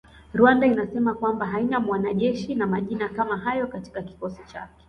Rwanda inasema kwamba haina mwanajeshi na majina kama hayo katika kikosi chake